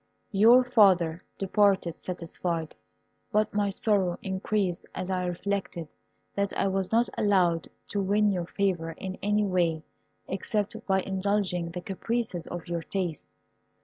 Your father departed satisfied. But my sorrow increased as I reflected that I was not allowed to win your favour in any way except by indulging the caprices of your taste.